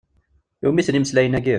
I wumi-ten imeslayen-agi?